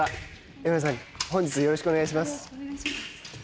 江村さんよろしくお願いします。